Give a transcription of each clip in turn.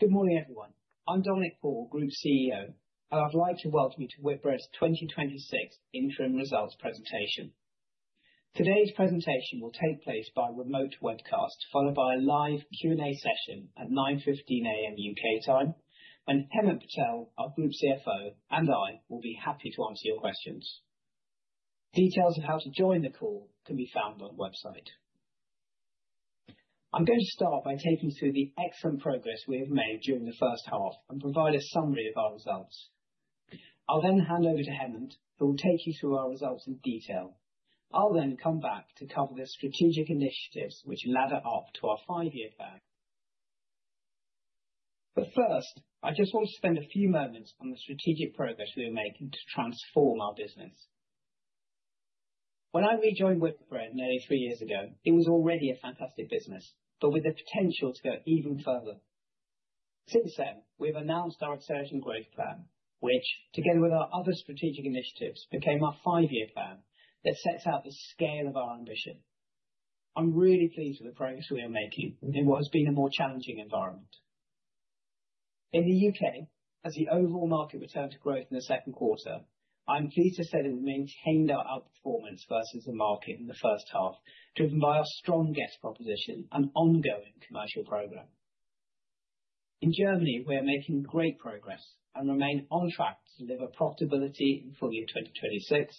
Good morning, everyone. I'm Dominic Paul, Group CEO, and I'd like to welcome you to Whitbread's 2026 Interim Results Presentation. Today's presentation will take place by remote webcast, followed by a live Q&A session at 9:15 A.M. UK time, when Hemant Patel, our Group CFO, and I will be happy to answer your questions. Details of how to join the call can be found on the website. I'm going to start by taking you through the excellent progress we have made during the first half and provide a summary of our results. I'll then hand over to Hemant, who will take you through our results in detail. I'll then come back to cover the strategic initiatives which ladder up to our five-year plan. But first, I just want to spend a few moments on the strategic progress we are making to transform our business. When I rejoined Whitbread nearly three years ago, it was already a fantastic business, but with the potential to go even further. Since then, we have announced our exciting growth plan, which, together with our other strategic initiatives, became our five-year plan that sets out the scale of our ambition. I'm really pleased with the progress we are making in what has been a more challenging environment. In the UK, as the overall market returned to growth in the second quarter, I'm pleased to say that we maintained our outperformance versus the market in the first half, driven by our strong guest proposition and ongoing commercial program. In Germany, we are making great progress and remain on track to deliver profitability in full year 2026.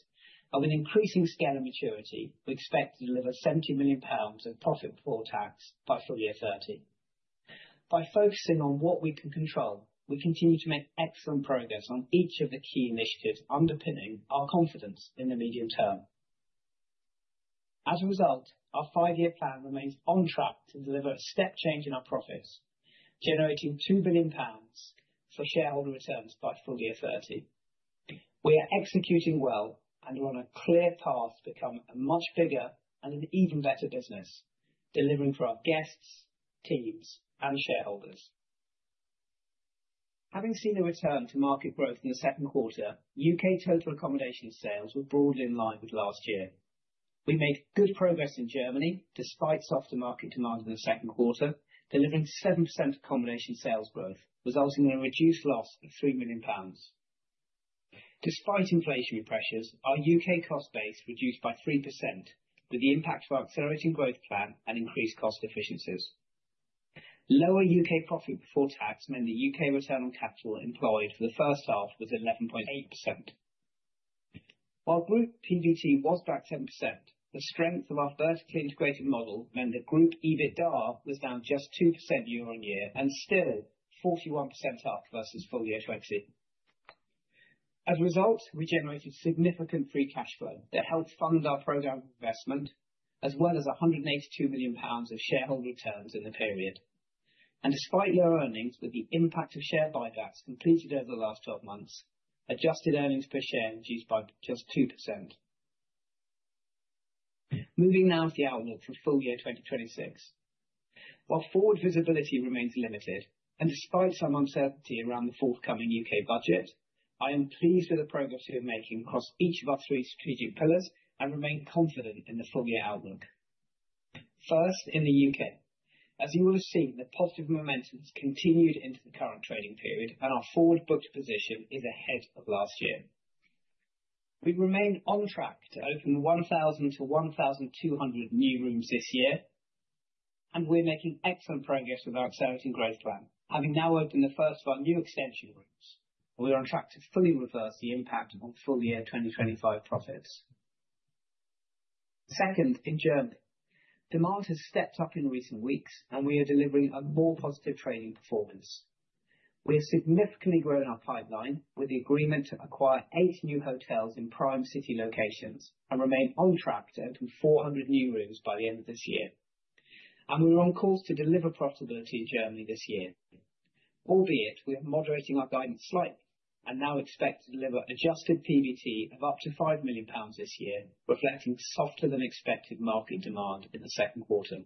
With an increasing scale and maturity, we expect to deliver 70 million pounds of profit before tax by full year 2030. By focusing on what we can control, we continue to make excellent progress on each of the key initiatives underpinning our confidence in the medium term. As a result, our Five-Year Plan remains on track to deliver a step change in our profits, generating 2 billion pounds for shareholder returns by full year 2030. We are executing well and are on a clear path to become a much bigger and an even better business, delivering for our guests, teams, and shareholders. Having seen a return to market growth in the second quarter, UK total accommodation sales were broadly in line with last year. We made good progress in Germany despite softer market demand in the second quarter, delivering 7% accommodation sales growth, resulting in a reduced loss of 3 million pounds. Despite inflationary pressures, our UK cost base reduced by 3%, with the impact of our Accelerating Growth Plan and increased cost efficiencies. Lower UK profit before tax meant the UK return on capital employed for the first half was 11.8%. While Group PBT was back 7%, the strength of our vertically integrated model meant that Group EBITDA was down just 2% year on year and still 41% up versus full year 2020. As a result, we generated significant free cash flow that helped fund our program of investment, as well as 182 million pounds of shareholder returns in the period. And despite low earnings, with the impact of share buybacks completed over the last 12 months, adjusted earnings per share reduced by just 2%. Moving now to the outlook for full year 2026. While forward visibility remains limited, and despite some uncertainty around the forthcoming UK budget, I am pleased with the progress we are making across each of our three strategic pillars and remain confident in the full year outlook. First, in the UK, as you will have seen, the positive momentum has continued into the current trading period, and our forward booked position is ahead of last year. We've remained on track to open 1,000 to 1,200 new rooms this year, and we're making excellent progress with our Accelerating Growth Plan, having now opened the first of our new extension rooms. We are on track to fully reverse the impact on full year 2025 profits. Second, in Germany, demand has stepped up in recent weeks, and we are delivering a more positive trading performance. We have significantly grown our pipeline with the agreement to acquire eight new hotels in prime city locations and remain on track to open 400 new rooms by the end of this year. And we are on course to deliver profitability in Germany this year, albeit we are moderating our guidance slightly and now expect to deliver adjusted PBT of up to 5 million pounds this year, reflecting softer than expected market demand in the second quarter.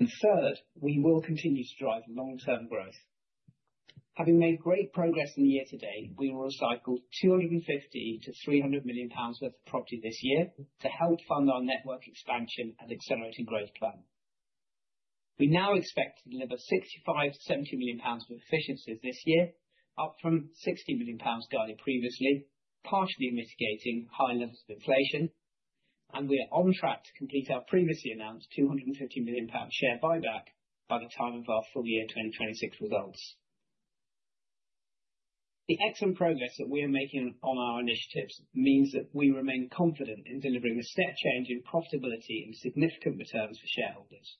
And third, we will continue to drive long-term growth. Having made great progress in the year to date, we will recycle 250-300 million pounds worth of property this year to help fund our network expansion and Accelerating Growth Plan. We now expect to deliver 65-70 million pounds of efficiencies this year, up from 60 million pounds guided previously, partially mitigating high levels of inflation. We are on track to complete our previously announced 250 million pound share buyback by the time of our full year 2026 results. The excellent progress that we are making on our initiatives means that we remain confident in delivering a step change in profitability and significant returns for shareholders.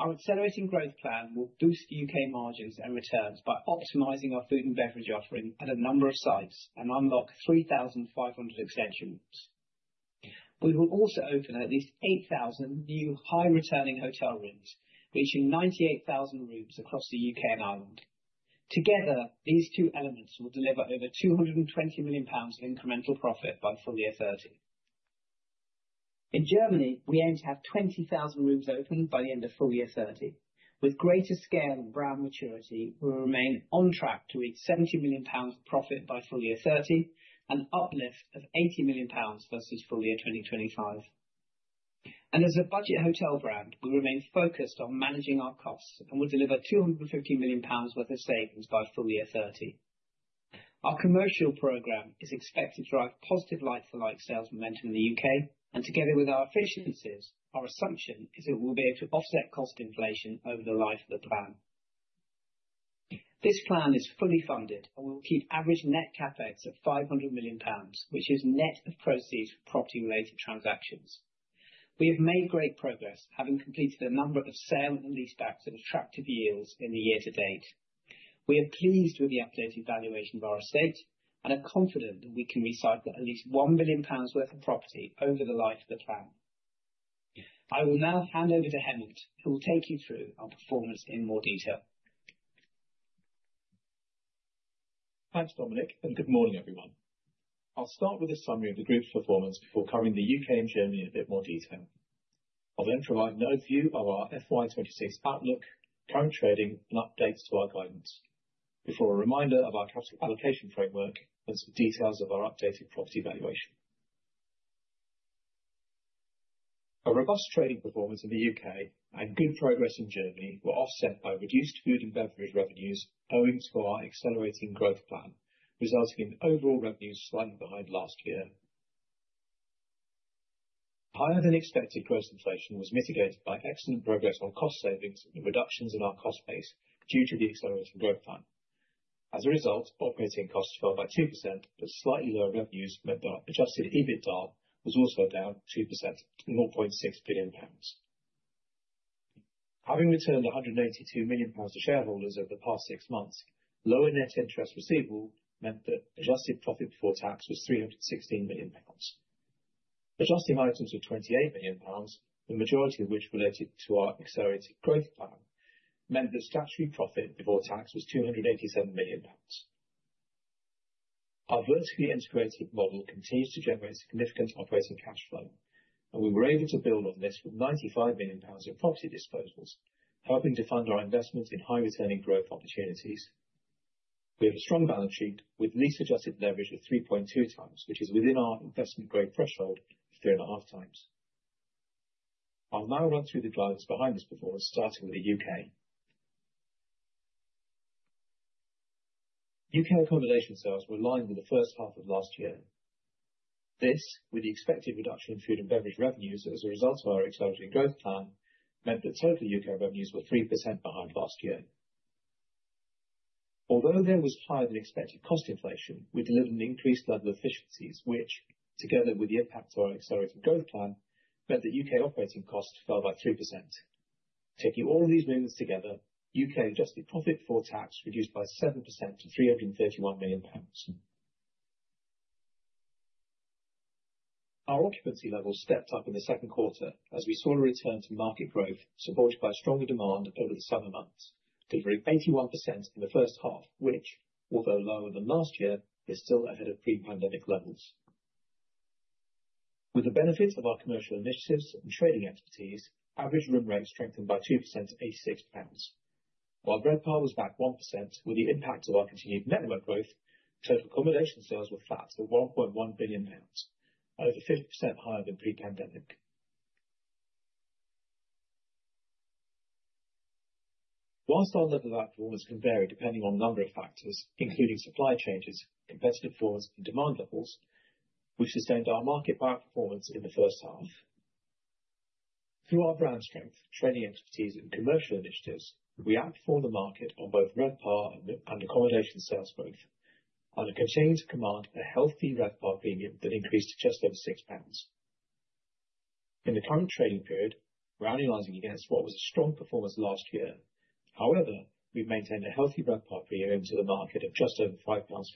Our Accelerating Growth Plan will boost UK margins and returns by optimizing our food and beverage offering at a number of sites and unlock 3,500 extension rooms. We will also open at least 8,000 new high-returning hotel rooms, reaching 98,000 rooms across the UK and Ireland. Together, these two elements will deliver over 220 million pounds of incremental profit by full year 2030. In Germany, we aim to have 20,000 rooms open by the end of full year 2030. With greater scale and brand maturity, we will remain on track to reach 70 million pounds profit by full year 2030 and uplift of 80 million pounds versus full year 2025, and as a budget hotel brand, we remain focused on managing our costs and will deliver 250 million pounds worth of savings by full year 2030. Our commercial program is expected to drive positive like-for-like sales momentum in the UK, and together with our efficiencies, our assumption is that we will be able to offset cost inflation over the life of the plan. This plan is fully funded, and we will keep average net CapEx of 500 million pounds, which is net of proceeds from property-related transactions. We have made great progress, having completed a number of sale and leasebacks at attractive yields in the year to date. We are pleased with the updated valuation of our estate and are confident that we can recycle at least 1 billion pounds worth of property over the life of the plan. I will now hand over to Hemant, who will take you through our performance in more detail. Thanks, Dominic, and good morning, everyone. I'll start with a summary of the group's performance before covering the UK and Germany in a bit more detail. I'll then provide an overview of our FY26 outlook, current trading, and updates to our guidance, before a reminder of our capital allocation framework and some details of our updated property valuation. Our robust trading performance in the UK and good progress in Germany were offset by reduced food and beverage revenues owing to our Accelerating Growth Plan, resulting in overall revenues slightly behind last year. Higher than expected gross inflation was mitigated by excellent progress on cost savings and reductions in our cost base due to the Accelerating Growth Plan. As a result, operating costs fell by 2%, but slightly lower revenues meant that our Adjusted EBITDA was also down 2% to 0.6 billion pounds. Having returned 182 million pounds to shareholders over the past six months, lower net interest receivable meant that adjusted profit before tax was 316 million pounds. Adjusting items of 28 million pounds, the majority of which related to our Accelerating Growth Plan, meant that statutory profit before tax was GBP 287 million. Our vertically integrated model continues to generate significant operating cash flow, and we were able to build on this with 95 million pounds in property disposals, helping to fund our investments in high-returning growth opportunities. We have a strong balance sheet with lease-adjusted leverage of 3.2 times, which is within our investment grade threshold of three and a half times. I'll now run through the guidance behind this performance, starting with the UK. UK accommodation sales were aligned with the first half of last year. This, with the expected reduction in food and beverage revenues as a result of our Accelerating Growth Plan, meant that total UK revenues were 3% behind last year. Although there was higher than expected cost inflation, we delivered an increased level of efficiencies, which, together with the impact of our Accelerating Growth Plan, meant that UK operating costs fell by 3%. Taking all of these movements together, UK adjusted profit before tax reduced by 7% to 331 million pounds. Our occupancy level stepped up in the second quarter as we saw a return to market growth, supported by stronger demand over the summer months, delivering 81% in the first half, which, although lower than last year, is still ahead of pre-pandemic levels. With the benefits of our commercial initiatives and trading expertise, average room rates strengthened by 2% to 86 pounds. While RevPAR was back 1%, with the impact of our continued network growth, total accommodation sales were flat at 1.1 billion pounds, over 50% higher than pre-pandemic. While our level of outperformance can vary depending on a number of factors, including supply changes, competitive force, and demand levels, we sustained our market outperformance in the first half. Through our brand strength, trading expertise, and commercial initiatives, we outperformed the market on both RevPAR and accommodation sales growth, and it continues to command a healthy RevPAR premium that increased to just over 6 pounds. In the current trading period, we're analyzing against what was a strong performance last year. However, we've maintained a healthy RevPAR premium to the market of just over 5.50 pounds.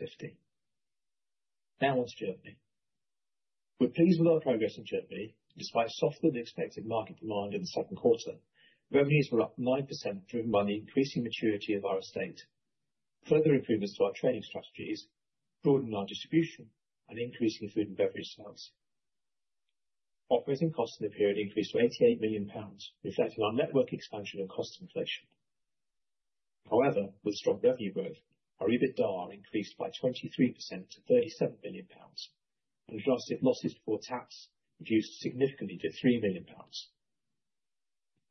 Now on to Germany. We're pleased with our progress in Germany, despite softer than expected market demand in the second quarter. Revenues were up 9%, driven by the increasing maturity of our estate, further improvements to our trading strategies, broadening our distribution, and increasing food and beverage sales. Operating costs in the period increased to 88 million pounds, reflecting our network expansion and cost inflation. However, with strong revenue growth, our EBITDA increased by 23% to 37 million pounds, and adjusted losses before tax reduced significantly to 3 million pounds.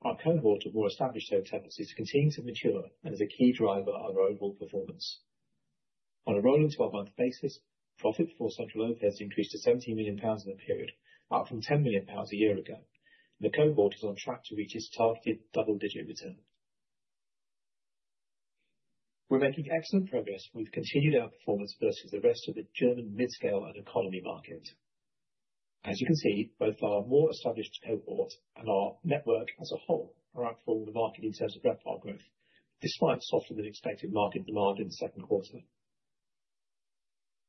Our cohort of more established hotels is continuing to mature and is a key driver of our overall performance. On a rolling 12-month basis, profit before central overheads increased to GBP 17 million in the period, up from GBP 10 million a year ago, and the cohort is on track to reach its targeted double-digit return. We're making excellent progress with continued outperformance versus the rest of the German mid-scale and economy market. As you can see, both our more established cohort and our network as a whole are outperforming the market in terms of RevPAR growth, despite softer than expected market demand in the second quarter.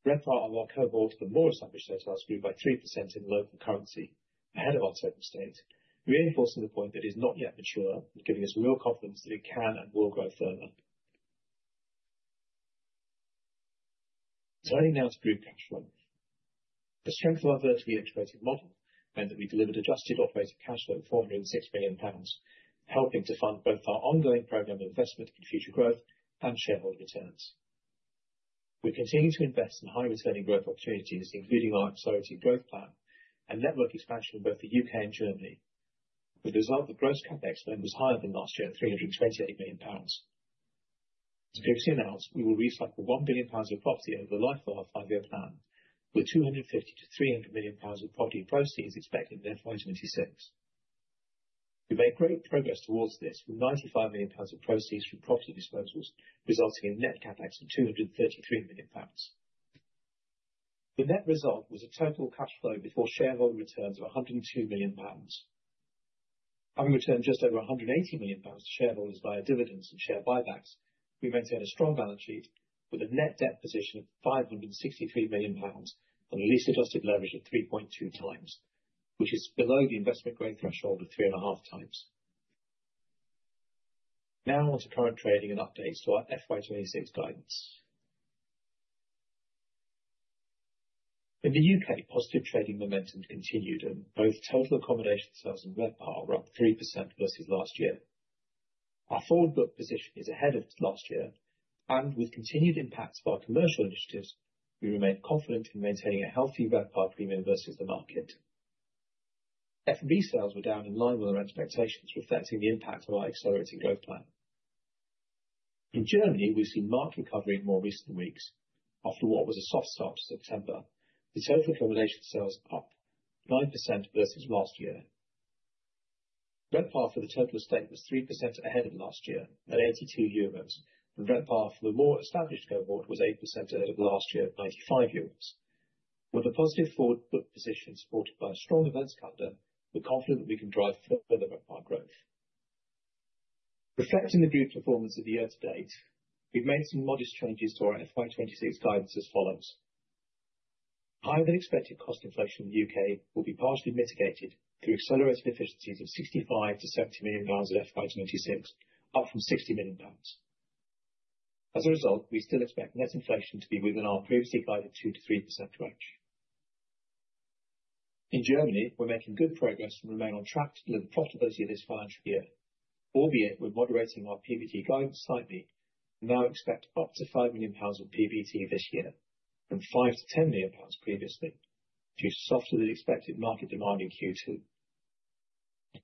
RevPAR and our cohort and more established hotels grew by 3% in local currency ahead of our total estate, reinforcing the point that it is not yet mature and giving us real confidence that it can and will grow further. Turning now to group cash flow. The strength of our vertically integrated model meant that we delivered adjusted operating cash flow of 406 million pounds, helping to fund both our ongoing program of investment in future growth and shareholder returns. We continue to invest in high-returning growth opportunities, including our Accelerating Growth Plan and network expansion in both the UK and Germany, with the result of gross CapEx then was higher than last year at 328 million pounds. As previously announced, we will recycle 1 billion pounds of property over the life of our five-year plan, with 250-300 million pounds of property proceeds expected in FY26. We made great progress towards this with 95 million pounds of proceeds from property disposals, resulting in net CapEx of 233 million pounds. The net result was a total cash flow before shareholder returns of 102 million pounds. Having returned just over 180 million pounds to shareholders via dividends and share buybacks, we maintain a strong balance sheet with a net debt position of 563 million pounds and a lease-adjusted leverage of 3.2 times, which is below the investment grade threshold of three and a half times. Now on to current trading and updates to our FY26 guidance. In the UK, positive trading momentum continued, and both total accommodation sales and RevPAR were up 3% versus last year. Our forward booked position is ahead of last year, and with continued impacts of our commercial initiatives, we remain confident in maintaining a healthy RevPAR premium versus the market. F&B sales were down in line with our expectations, reflecting the impact of our Accelerating Growth Plan. In Germany, we've seen marked recovery in more recent weeks after what was a soft start to September, with total accommodation sales up 9% versus last year. RevPAR for the total estate was 3% ahead of last year at 82 euros, and RevPAR for the more established cohort was 8% ahead of last year at 95 euros. With a positive forward book position supported by a strong events calendar, we're confident that we can drive further RevPAR growth. Reflecting the group performance of the year to date, we've made some modest changes to our FY26 guidance as follows. Higher than expected cost inflation in the UK will be partially mitigated through accelerated efficiencies of 65-70 million pounds at FY26, up from 60 million pounds. As a result, we still expect net inflation to be within our previously guided 2%-3% range. In Germany, we're making good progress and remain on track to deliver profitability this financial year, albeit we're moderating our PBT guidance slightly and now expect up to 5 million pounds of PBT this year from 5-10 million pounds previously, due to softer than expected market demand in Q2.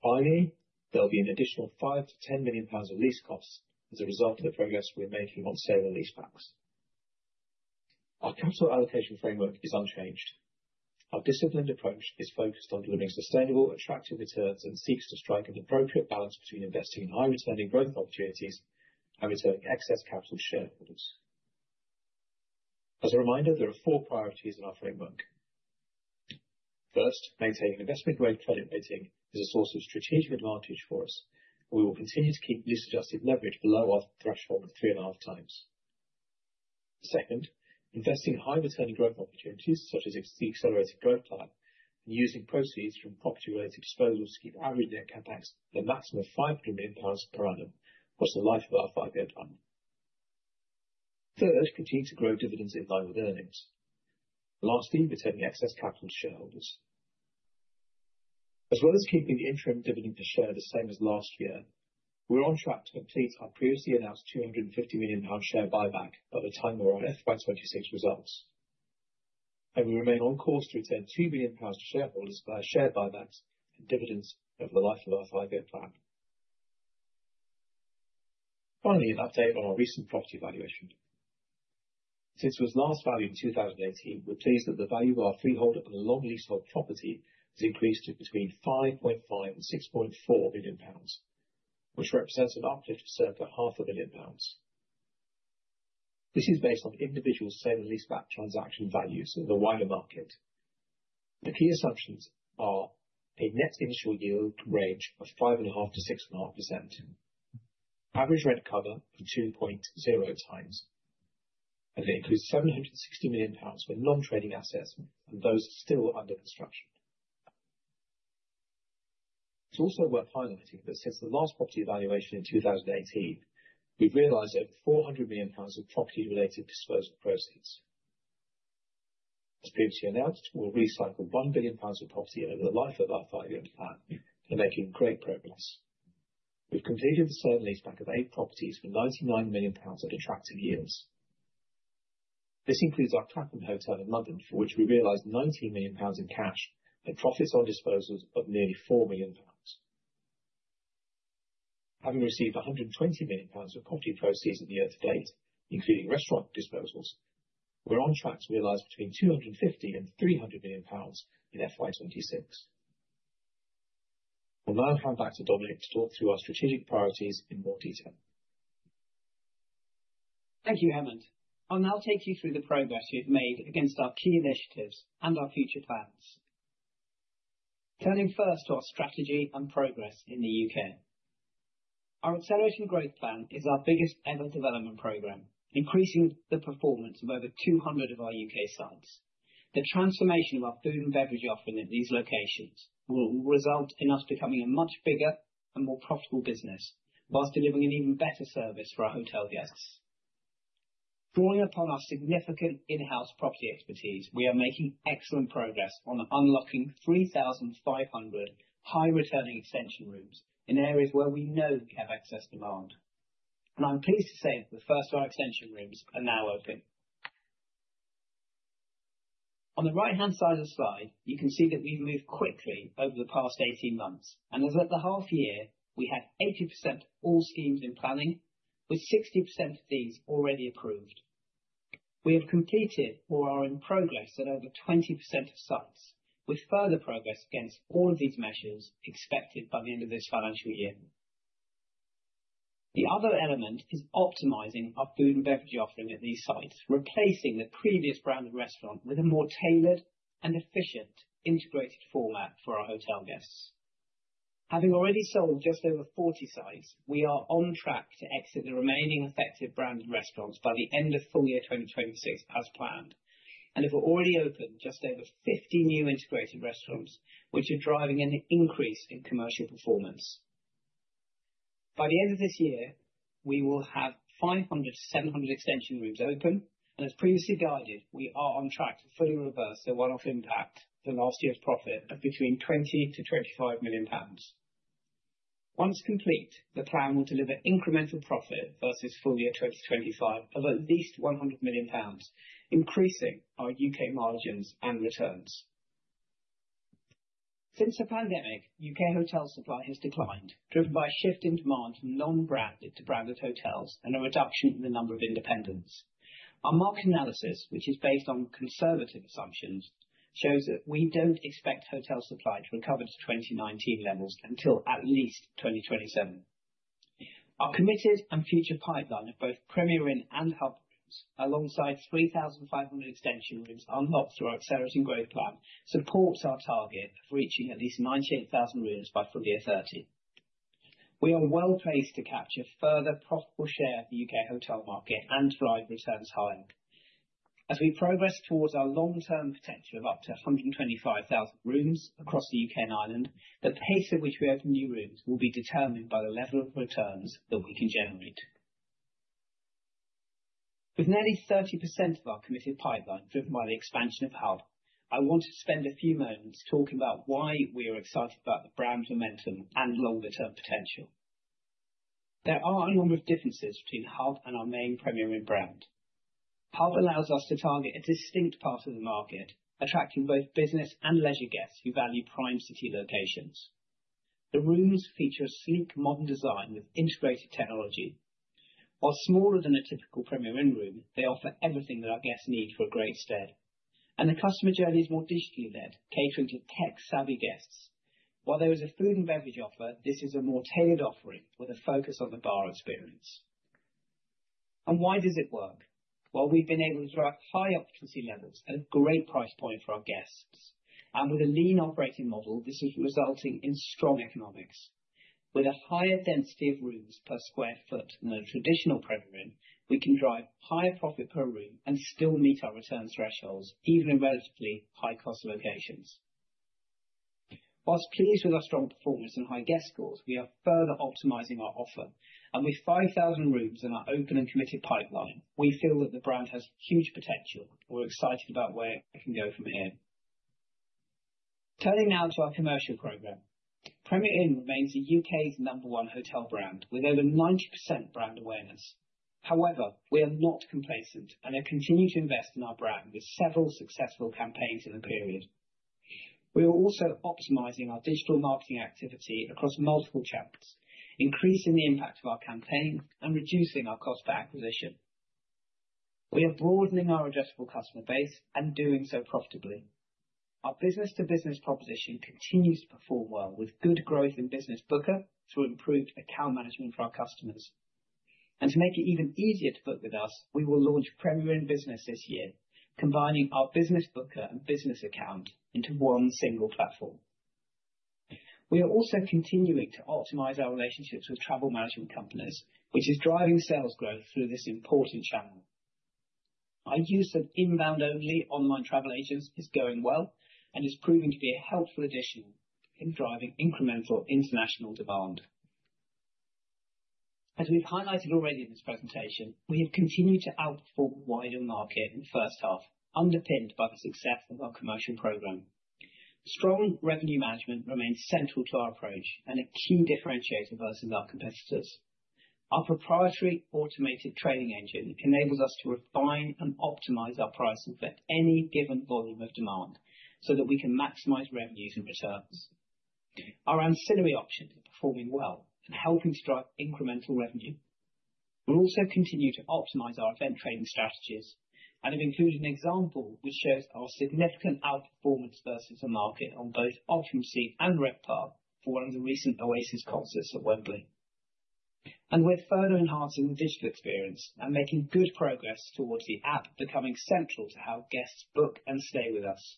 Finally, there'll be an additional 5-10 million pounds of lease costs as a result of the progress we're making on sale and leasebacks. Our capital allocation framework is unchanged. Our disciplined approach is focused on delivering sustainable, attractive returns and seeks to strike an appropriate balance between investing in high-returning growth opportunities and returning excess capital to shareholders. As a reminder, there are four priorities in our framework. First, maintaining investment grade credit rating is a source of strategic advantage for us, and we will continue to keep lease-adjusted leverage below our threshold of three and a half times. Second, investing in high-returning growth opportunities, such as the Accelerating Growth Plan, and using proceeds from property-related disposals to keep average net CapEx to a maximum of 500 million pounds per annum, whilst the life of our five-year plan. Third, continuing to grow dividends in line with earnings. Lastly, returning excess capital to shareholders. As well as keeping the interim dividend per share the same as last year, we're on track to complete our previously announced 250 million pound share buyback by the time of our FY26 results, and we remain on course to return 2 billion pounds to shareholders via share buybacks and dividends over the life of our five-year plan. Finally, an update on our recent property valuation. Since it was last valued in 2018, we're pleased that the value of our freehold and long leasehold property has increased to between 5.5 and 6.4 billion pounds, which represents an uplift of circa 0.5 billion pounds. This is based on individual sale and leaseback transaction values in the wider market. The key assumptions are a net initial yield range of 5.5%-6.5%, average rent cover of 2.0 times, and it includes 760 million pounds for non-trading assets and those still under construction. It's also worth highlighting that since the last property valuation in 2018, we've realized over 400 million pounds of property-related disposal proceeds. As previously announced, we'll recycle 1 billion pounds of property over the life of our Five-Year Plan and are making great progress. We've completed the sale and leaseback of eight properties for 99 million pounds of attractive yields. This includes our Clapham hotel in London, for which we realized GBP 19 million in cash and profits on disposals of nearly GBP 4 million. Having received GBP 120 million of property proceeds in the year to date, including restaurant disposals, we're on track to realize between 250 and 300 million pounds in FY26. I'll now hand back to Dominic to talk through our strategic priorities in more detail. Thank you, Hemant. I'll now take you through the progress we've made against our key initiatives and our future plans. Turning first to our strategy and progress in the UK Our Accelerating Growth Plan is our biggest ever development program, increasing the performance of over 200 of our UK sites. The transformation of our food and beverage offering at these locations will result in us becoming a much bigger and more profitable business, while delivering an even better service for our hotel guests. Drawing upon our significant in-house property expertise, we are making excellent progress on unlocking 3,500 high-returning extension rooms in areas where we know we have excess demand. And I'm pleased to say that the first of our extension rooms are now open. On the right-hand side of the slide, you can see that we've moved quickly over the past 18 months, and as of the half year, we have 80% of all schemes in planning, with 60% of these already approved. We have completed or are in progress at over 20% of sites, with further progress against all of these measures expected by the end of this financial year. The other element is optimizing our food and beverage offering at these sites, replacing the previous branded restaurant with a more tailored and efficient integrated format for our hotel guests. Having already sold just over 40 sites, we are on track to exit the remaining effective branded restaurants by the end of full year 2026 as planned, and have already opened just over 50 new integrated restaurants, which are driving an increase in commercial performance. By the end of this year, we will have 500 to 700 extension rooms open, and as previously guided, we are on track to fully reverse the one-off impact for last year's profit of between 20 to 25 million pounds. Once complete, the plan will deliver incremental profit versus full year 2025 of at least 100 million pounds, increasing our UK margins and returns. Since the pandemic, UK hotel supply has declined, driven by a shift in demand from non-branded to branded hotels and a reduction in the number of independents. Our market analysis, which is based on conservative assumptions, shows that we don't expect hotel supply to recover to 2019 levels until at least 2027. Our committed and future pipeline of both Premier Inn and Hub rooms, alongside 3,500 extension rooms unlocked through our Accelerating Growth Plan, supports our target of reaching at least 98,000 rooms by full year 2030. We are well placed to capture further profitable share of the UK hotel market and drive returns higher. As we progress towards our long-term potential of up to 125,000 rooms across the UK and Ireland, the pace at which we open new rooms will be determined by the level of returns that we can generate. With nearly 30% of our committed pipeline driven by the expansion of Hub, I want to spend a few moments talking about why we are excited about the brand momentum and longer-term potential. There are a number of differences between Hub and our main Premier Inn brand. Hub allows us to target a distinct part of the market, attracting both business and leisure guests who value prime city locations. The rooms feature a sleek, modern design with integrated technology. While smaller than a typical Premier Inn room, they offer everything that our guests need for a great stay. And the customer journey is more digitally led, catering to tech-savvy guests. While there is a food and beverage offer, this is a more tailored offering with a focus on the bar experience. And why does it work? Well, we've been able to drive high occupancy levels at a great price point for our guests. And with a lean operating model, this is resulting in strong economics. With a higher density of rooms per square foot than a traditional Premier Inn, we can drive higher profit per room and still meet our returns thresholds, even in relatively high-cost locations. While pleased with our strong performance and high guest scores, we are further optimizing our offer. With 5,000 rooms and our open and committed pipeline, we feel that the brand has huge potential. We're excited about where it can go from here. Turning now to our commercial program, Premier Inn remains the UK's number one hotel brand with over 90% brand awareness. However, we are not complacent and have continued to invest in our brand with several successful campaigns in the period. We are also optimizing our digital marketing activity across multiple channels, increasing the impact of our campaign and reducing our cost of acquisition. We are broadening our addressable customer base and doing so profitably. Our business-to-business proposition continues to perform well with good growth in Business Booker through improved account management for our customers. To make it even easier to book with us, we will launch Premier Inn Business this year, combining our Business Booker and Business Account into one single platform. We are also continuing to optimize our relationships with travel management companies, which is driving sales growth through this important channel. Our use of inbound-only online travel agents is going well and is proving to be a helpful addition in driving incremental international demand. As we've highlighted already in this presentation, we have continued to outperform the wider market in the first half, underpinned by the success of our commercial program. Strong revenue management remains central to our approach and a key differentiator versus our competitors. Our proprietary automated trading engine enables us to refine and optimize our pricing for any given volume of demand so that we can maximize revenues and returns. Our ancillary options are performing well and helping to drive incremental revenue. We'll also continue to optimize our event traiding strategies and have included an example which shows our significant outperformance versus the market on both occupancy and RevPAR for one of the recent Oasis concerts at Wembley, and we're further enhancing the digital experience and making good progress towards the app becoming central to how guests book and stay with us.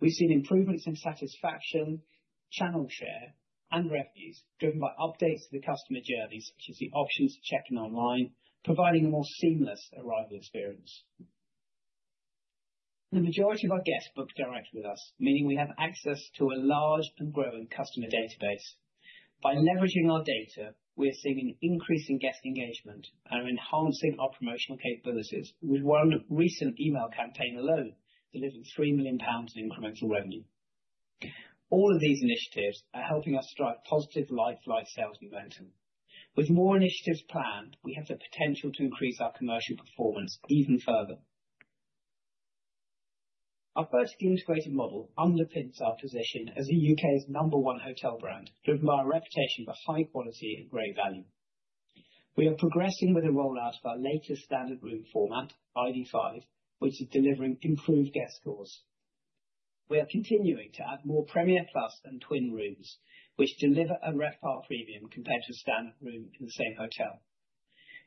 We've seen improvements in satisfaction, channel share, and revenues driven by updates to the customer journey, such as the options to check in online, providing a more seamless arrival experience. The majority of our guests book directly with us, meaning we have access to a large and growing customer database. By leveraging our data, we are seeing an increase in guest engagement and are enhancing our promotional capabilities, with one recent email campaign alone delivering 3 million pounds in incremental revenue. All of these initiatives are helping us drive positive like-for-like sales momentum. With more initiatives planned, we have the potential to increase our commercial performance even further. Our vertically integrated model underpins our position as the UK's number one hotel brand, driven by our reputation for high quality and great value. We are progressing with the rollout of our latest standard room format, ID5, which is delivering improved guest scores. We are continuing to add more Premier Plus and twin rooms, which deliver a RevPAR premium compared to a standard room in the same hotel.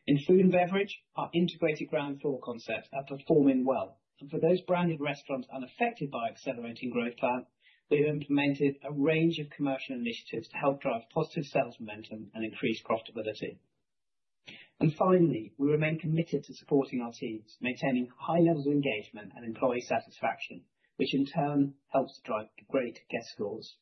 In Food and Beverage, our integrated ground floor concepts are performing well. And for those branded restaurants unaffected by our Accelerating Growth Plan, we have implemented a range of commercial initiatives to help drive positive sales momentum and increase profitability. Finally, we remain committed to supporting our teams, maintaining high levels of engagement and employee satisfaction, which in turn helps to drive great guest scores.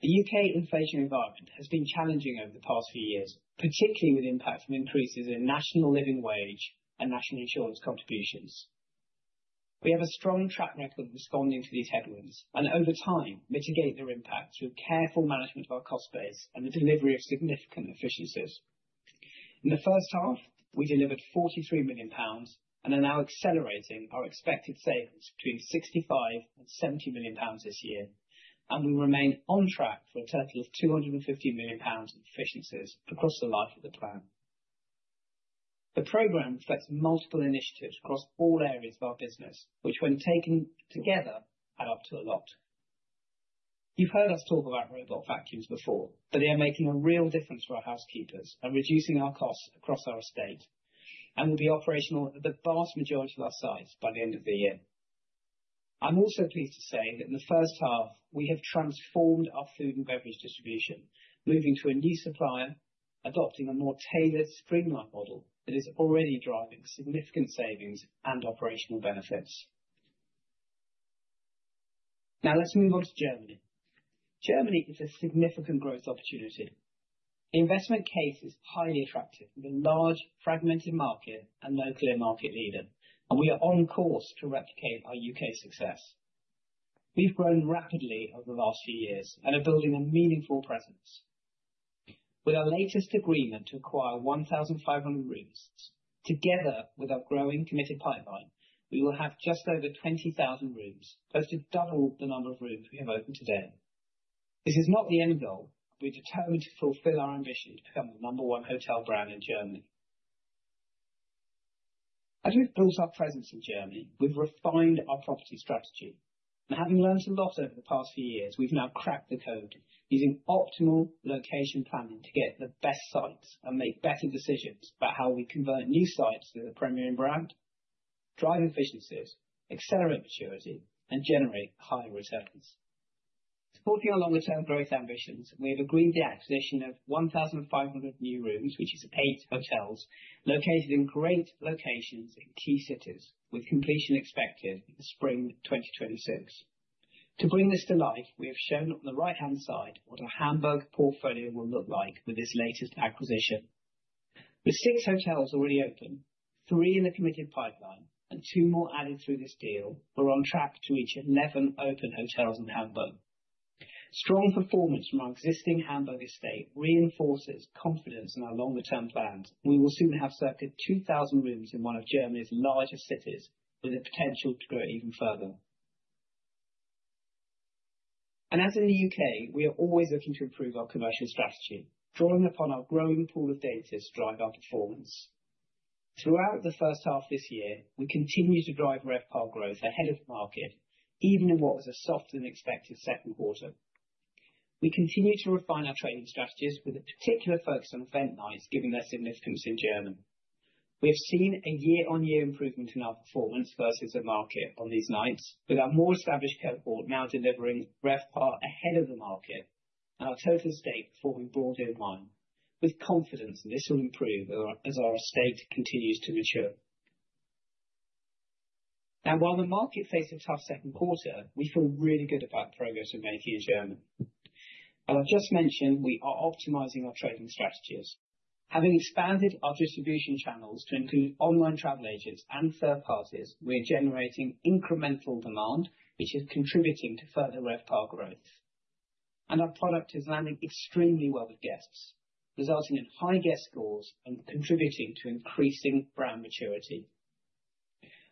The UK inflation environment has been challenging over the past few years, particularly with impact from increases in National Living Wage and National Insurance contributions. We have a strong track record of responding to these headwinds and, over time, mitigate their impact through careful management of our cost base and the delivery of significant efficiencies. In the first half, we delivered 43 million pounds and are now accelerating our expected savings between 65 million and 70 million pounds this year. We remain on track for a total of 250 million pounds in efficiencies across the life of the plan. The program reflects multiple initiatives across all areas of our business, which, when taken together, add up to a lot. You've heard us talk about robot vacuums before, but they are making a real difference for our housekeepers and reducing our costs across our estate and will be operational at the vast majority of our sites by the end of the year. I'm also pleased to say that in the first half, we have transformed our food and beverage distribution, moving to a new supplier, adopting a more tailored streamline model that is already driving significant savings and operational benefits. Now let's move on to Germany. Germany is a significant growth opportunity. The investment case is highly attractive for the large fragmented market and no clear market leader, and we are on course to replicate our UK success. We've grown rapidly over the last few years and are building a meaningful presence. With our latest agreement to acquire 1,500 rooms, together with our growing committed pipeline, we will have just over 20,000 rooms, close to double the number of rooms we have opened today. This is not the end goal. We're determined to fulfill our ambition to become the number one hotel brand in Germany. As we've built our presence in Germany, we've refined our property strategy. And having learned a lot over the past few years, we've now cracked the code using optimal location planning to get the best sites and make better decisions about how we convert new sites to the Premier Inn brand, drive efficiencies, accelerate maturity, and generate higher returns. Supporting our longer-term growth ambitions, we have agreed the acquisition of 1,500 new rooms, which is eight hotels, located in great locations in key cities, with completion expected in the spring of 2026. To bring this to life, we have shown on the right-hand side what our Hamburg portfolio will look like with this latest acquisition. With six hotels already open, three in the committed pipeline, and two more added through this deal, we're on track to reach 11 open hotels in Hamburg. Strong performance from our existing Hamburg estate reinforces confidence in our longer-term plans. We will soon have circa 2,000 rooms in one of Germany's largest cities, with the potential to grow even further, and as in the UK, we are always looking to improve our commercial strategy, drawing upon our growing pool of data to drive our performance. Throughout the first half of this year, we continue to drive RevPAR growth ahead of the market, even in what was a softer than expected second quarter. We continue to refine our trading strategies, with a particular focus on event nights, given their significance in Germany. We have seen a year-on-year improvement in our performance versus the market on these nights, with our more established cohort now delivering RevPAR ahead of the market and our total estate performing broadly in line. With confidence that this will improve as our estate continues to mature. Now, while the market faced a tough second quarter, we feel really good about the progress we're making in Germany. As I've just mentioned, we are optimizing our trading strategies. Having expanded our distribution channels to include online travel agents and third parties, we are generating incremental demand, which is contributing to further RevPAR growth, and our product is landing extremely well with guests, resulting in high guest scores and contributing to increasing brand maturity.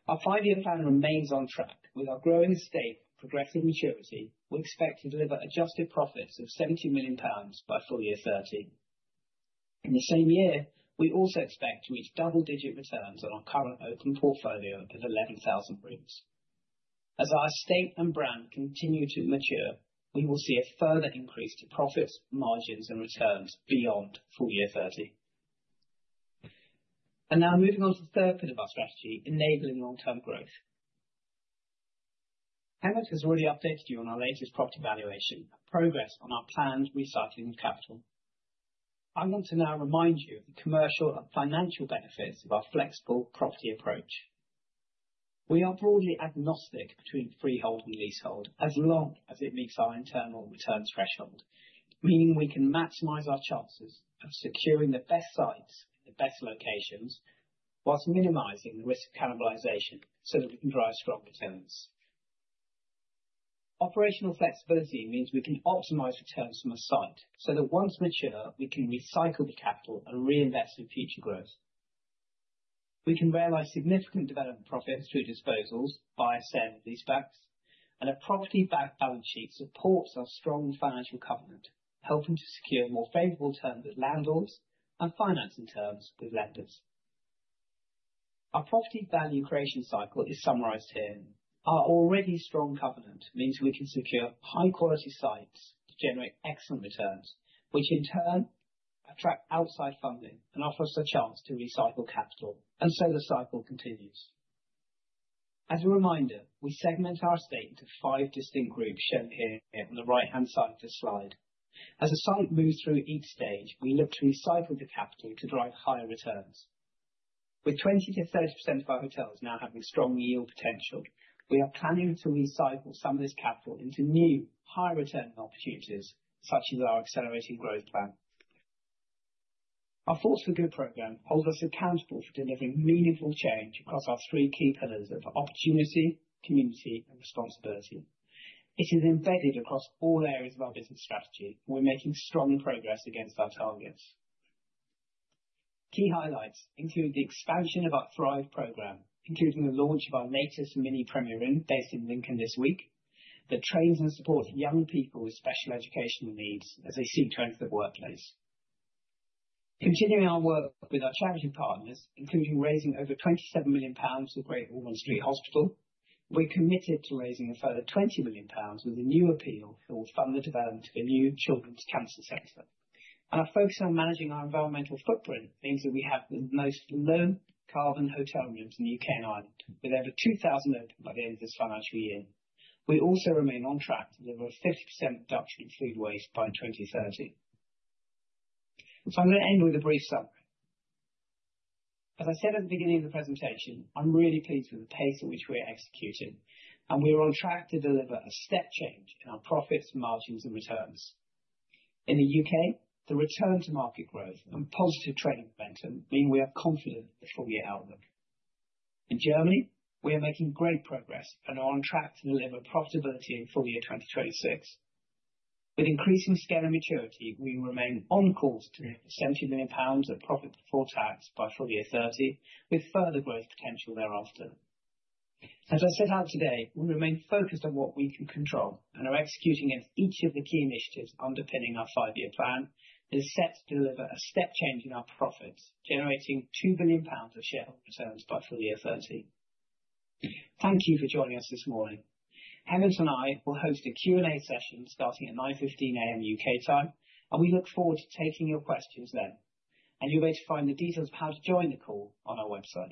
Our five-year plan remains on track. With our growing estate and progressive maturity, we expect to deliver adjusted profits of 70 million pounds by full year 2030. In the same year, we also expect to reach double-digit returns on our current open portfolio of 11,000 rooms. As our estate and brand continue to mature, we will see a further increase to profits, margins, and returns beyond full year 2030. And now moving on to the third bit of our strategy, enabling long-term growth. Hemant has already updated you on our latest property valuation and progress on our planned recycling of capital. I want to now remind you of the commercial and financial benefits of our flexible property approach. We are broadly agnostic between freehold and leasehold as long as it meets our internal returns threshold, meaning we can maximize our chances of securing the best sites in the best locations while minimizing the risk of cannibalization so that we can drive strong returns. Operational flexibility means we can optimize returns from a site so that once mature, we can recycle the capital and reinvest in future growth. We can realize significant development profits through disposals, buy-sell, and leasebacks, and a property bank balance sheet supports our strong financial covenant, helping to secure more favorable terms with landlords and financing terms with lenders. Our property value creation cycle is summarized here. Our already strong covenant means we can secure high-quality sites to generate excellent returns, which in turn attract outside funding and offer us a chance to recycle capital, and so the cycle continues. As a reminder, we segment our estate into five distinct groups shown here on the right-hand side of the slide. As a site moves through each stage, we look to recycle the capital to drive higher returns. With 20%-30% of our hotels now having strong yield potential, we are planning to recycle some of this capital into new, higher-return opportunities, such as our Accelerating Growth Plan. Our Force for Good program holds us accountable for delivering meaningful change across our three key pillars of opportunity, community, and responsibility. It is embedded across all areas of our business strategy, and we're making strong progress against our targets. Key highlights include the expansion of our Thrive program, including the launch of our latest Mini Premier Inn based in Lincoln this week, that trains and supports young people with special educational needs as they seek to enter the workplace. Continuing our work with our charity partners, including raising over 27 million pounds to the Great Ormond Street Hospital, we're committed to raising a further 20 million pounds with a new appeal that will fund the development of a new Children's Cancer Center. And our focus on managing our environmental footprint means that we have the most low-carbon hotel rooms in the UK and Ireland, with over 2,000 open by the end of this financial year. We also remain on track to deliver a 50% reduction in food waste by 2030. So I'm going to end with a brief summary. As I said at the beginning of the presentation, I'm really pleased with the pace at which we are executing, and we are on track to deliver a step change in our profits, margins, and returns. In the UK, the return to market growth and positive trading momentum mean we are confident in the full year outlook. In Germany, we are making great progress and are on track to deliver profitability in full year 2026. With increasing scale and maturity, we will remain on course to the 70 million pounds of profit before tax by full year 2030, with further growth potential thereafter. As I set out today, we remain focused on what we can control and are executing against each of the key initiatives underpinning our five-year plan that is set to deliver a step change in our profits, generating 2 billion pounds of shareholder returns by full year 2030. Thank you for joining us this morning. Hemant and I will host a Q&A session starting at 9:15 A.M. UK time, and we look forward to taking your questions then. You'll be able to find the details of how to join the call on our website.